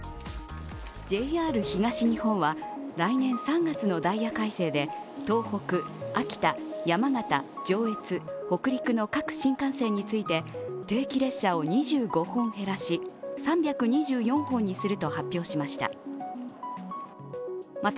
ＪＲ東日本は、来年３月のダイヤ改正で東北、秋田、山形、上越、北陸の各新幹線について、定期列車を２５本減らし、３２４本にすると発表しました。